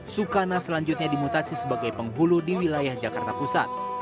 sukana selanjutnya dimutasi sebagai penghulu di wilayah jakarta pusat